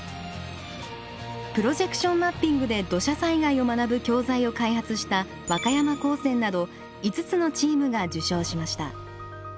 プロジェクションマッピングで土砂災害を学ぶ教材を開発した和歌山高専など５つのチームが受賞しました。